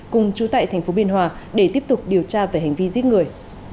cùng chú tại thành phố biên hòa để tiếp tục điều tra về hành vi giết người